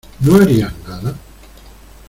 ¿ no harías nada?